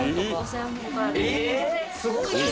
すごい！